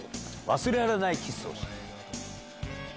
「忘れられないキスをした」。